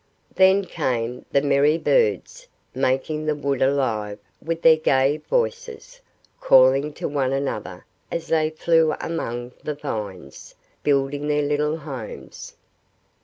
Then came the merry birds, making the wood alive with their gay voices, calling to one another, as they flew among the vines, building their little homes.